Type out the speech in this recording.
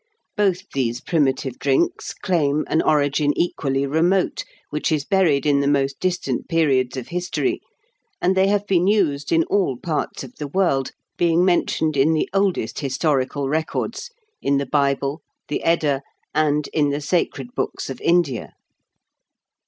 Both these primitive drinks claim an origin equally remote, which is buried in the most distant periods of history, and they have been used in all parts of the world, being mentioned in the oldest historical records, in the Bible, the Edda, and in the sacred books of India.